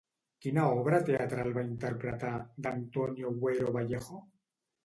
Quina obra teatral va interpretar d'Antonio Buero Vallejo?